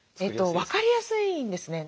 分かりやすいんですね。